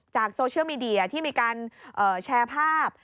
โซเชียลมีเดียที่มีการแชร์ภาพ